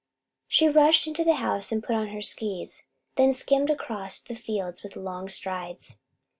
She rushed into the house and put on her skis, then skimmed across the fields with long strides.